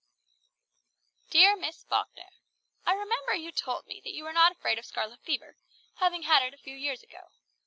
"DEAR MISS FALKNER, "I remember you told me that you were not afraid of scarlet fever, having had it a few years ago.